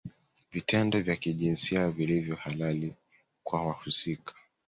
Vitendo vya kijinsia vilivyo halali kwa wahusika